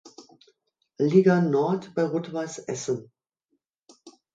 Liga Nord bei Rot-Weiss Essen.